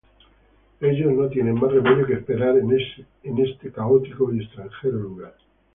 Ellos no tienen más remedio que esperar en este caótico y extranjero lugar.